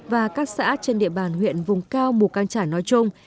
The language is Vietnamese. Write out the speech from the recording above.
và các xã trên địa bàn huyện vùng cao mù căng trải nói chung